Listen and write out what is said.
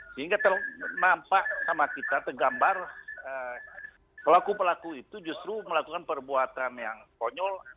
sehingga ternampak sama kita tergambar pelaku pelaku itu justru melakukan perbuatan yang konyol